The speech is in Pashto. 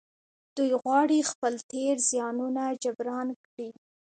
دوی غواړي خپل تېر زيانونه جبران کړي.